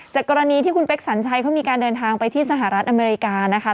กรณีที่คุณเป๊กสัญชัยเขามีการเดินทางไปที่สหรัฐอเมริกานะคะ